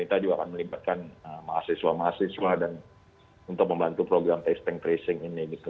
kita juga akan melibatkan mahasiswa mahasiswa dan untuk membantu program testing tracing ini gitu